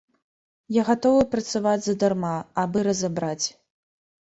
Я гатовы працаваць задарма, абы разабраць.